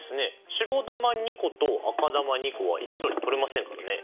白球２個と赤球２個は一度に取れませんからね。